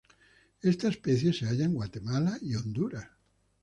Esta especie se halla en Guatemala y Honduras.